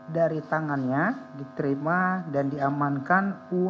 dari tangannya diterima dan diamankan uang sejumlah lima ratus juta